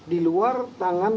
di luar tangan